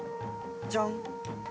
じゃん。